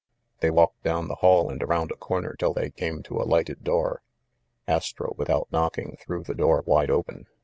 They walked down the hall and around a corner till they came to a lighted door. Astro, without knocking, threw the door wide open.